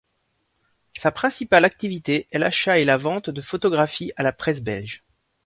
Sa principale activité est l’achat et la vente de photographies à la presse belge.